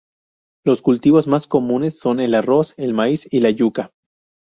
Los cultivos más comunes son el arroz, el maíz y la yuca.